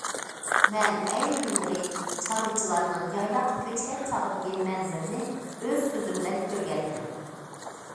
مەن ئەينى يىللىرى چارۋىچىلارنىڭ يايلاققا كۆچكەن چاغدىكى مەنزىرىنى ئۆز كۆزۈم بىلەن كۆرگەنىدىم.